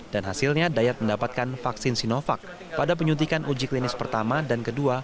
dan hasilnya dayat mendapatkan vaksin sinovac pada penyuntikan uji klinis pertama dan kedua